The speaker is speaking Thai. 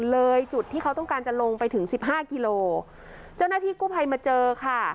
เลยจุดที่เขาต้องการจะลงไปถึงสิบห้ากิโลเจ้าหน้าที่กู้ภัยมาเจอค่ะ